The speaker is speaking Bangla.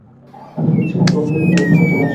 আমি ভেবেছিলাম দলবল নিয়ে বোধহয় চলে আসে।